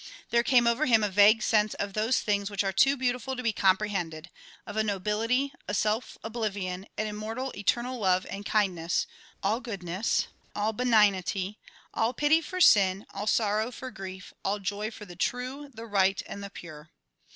There came over him a vague sense of those things which are too beautiful to be comprehended, of a nobility, a self oblivion, an immortal eternal love and kindness, all goodness, all benignity, all pity for sin, all sorrow for grief, all joy for the true, the right, and the pure.